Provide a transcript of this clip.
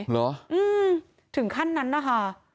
เหรอถึงขั้นนั้นนะคะ